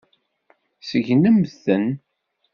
Segnemt-ten.